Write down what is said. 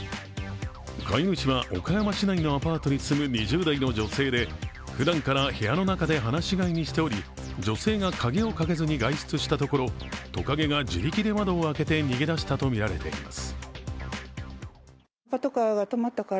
飼い主は岡山市内のアパートに住む２０代の女性でふだんから部屋の中で放し飼いにしており、女性が鍵をかけずに外出したところ、トカゲが自力で窓を開け逃げ出したとみられています。